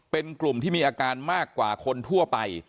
เป็นกลุ่มที่มีอาการมากกว่าคนทั่วไป